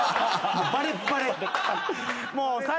もうバレッバレ。